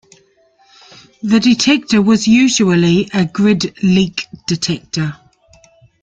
The detector was usually a grid-leak detector.